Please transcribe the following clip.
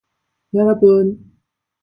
여러분!